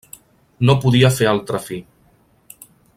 -No podia fer altra fi…